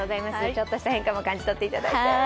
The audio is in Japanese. ちょっとした変化も感じ取っていただいて。